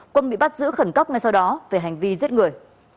quân bị bắt giữ khẩn cấp ngay sau đó về hành vi giết người